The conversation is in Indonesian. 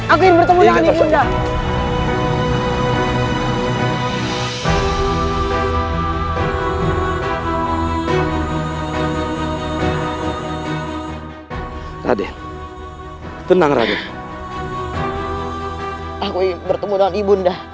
aku ingin bertemu dengan yunda